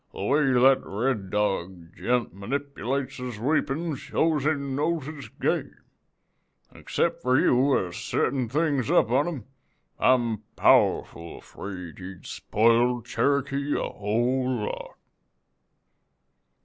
'The way that Red Dog gent manipulates his weepon shows he knows his game; an' except for you a settin' things up on him, I'm powerful afraid he'd spoiled Cherokee a whole lot.'